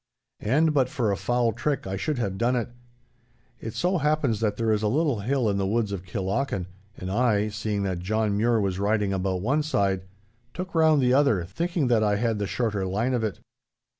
And but for a foul trick I should have done it. It so happens that there is a little hill in the woods of Killochan, and I, seeing that John Mure was riding about one side, took round the other, thinking that I had the shorter line of it.